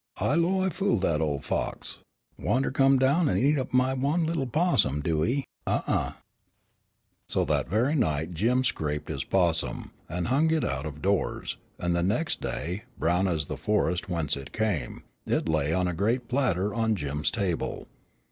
"I 'low I fool dat ol' fox. Wanter come down an' eat up my one little 'possum, do he? huh, uh!" So that very night Jim scraped his possum, and hung it out of doors, and the next day, brown as the forest whence it came, it lay on a great platter on Jim's table.